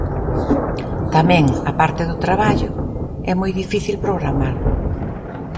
Tamén a parte do traballo: é moi difícil programar.